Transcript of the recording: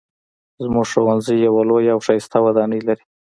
زموږ ښوونځی یوه لویه او ښایسته ودانۍ لري